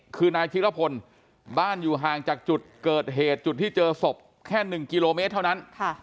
คือนายธิรพลบ้านอยู่ห่างจากจุดเกิดเหตุจุดที่เจอศพแค่๑กิโลเมตรเท่านั้น